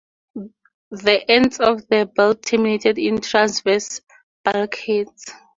The ends of the belt terminated in transverse bulkheads.